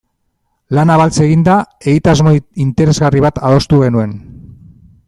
Lana beltz eginda, egitasmo interesgarri bat adostu genuen.